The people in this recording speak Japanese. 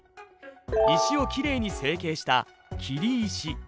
石をきれいに成形した切石。